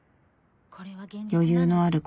余裕のある声。